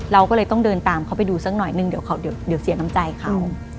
เราก็เลยต้องเดินตามเขาไปดูสักหน่อยนึงเดี๋ยวเสียน้ำใจเขา